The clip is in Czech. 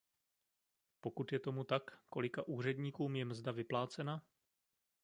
Pokud je tomu tak, kolika úředníkům je mzda vyplácena?